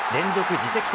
自責点